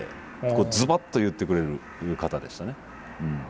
こうズバッと言ってくれる方でしたね。